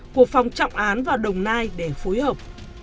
của phòng trọng án vào đồng nai để phối hợp